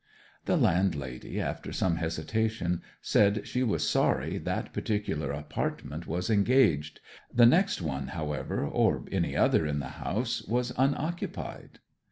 The landlady, after some hesitation, said she was sorry that particular apartment was engaged; the next one, however, or any other in the house, was unoccupied.